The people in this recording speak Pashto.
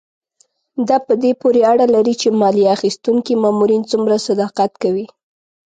دا په دې پورې اړه لري چې مالیه اخیستونکي مامورین څومره صداقت کوي.